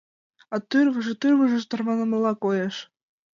— А тӱрвыжӧ, тӱрвыжӧ тарванымыла коеш.